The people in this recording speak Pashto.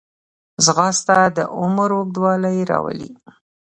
ځغاسته د عمر اوږدوالی راولي